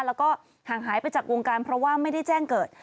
แล้วก็ห่างหายไปจากวงการเพราะว่าไม่ได้แจ้งเกิด